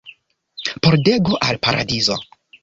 Pordego al Paradizo.